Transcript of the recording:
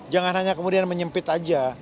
jangan hanya kemudian menyempit aja